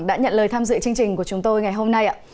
đã nhận lời tham dự chương trình của chúng tôi ngày hôm nay ạ